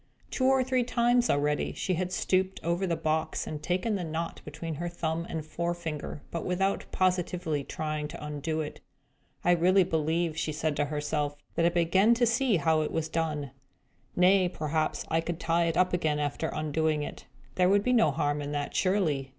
Two or three times, already, she had stooped over the box, and taken the knot between her thumb and forefinger, but without positively trying to undo it. "I really believe," said she to herself, "that I begin to see how it was done. Nay, perhaps I could tie it up again, after undoing it. There would be no harm in that, surely.